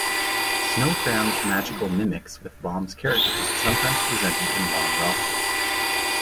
Snow crammed "Magical Mimics" with Baum's characters, sometimes presented in long rosters.